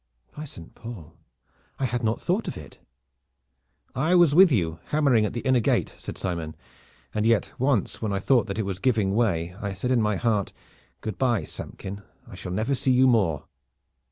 "By Saint Paul! I had not thought of it." "I was with you, hammering at the inner gate," said Simon, "and yet once when I thought that it was giving way I said in my heart: 'Good by, Samkin! I shall never see you more.'